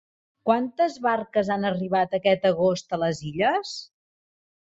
Quantes barques han arribat aquest agost a les Illes?